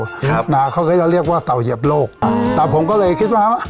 ครับนะฮะเขาก็จะเรียกว่าเต่าเหยียบโลกอ่าแต่ผมก็เลยคิดว่า